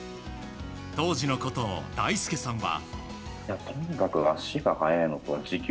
当時のことを大輔さんは。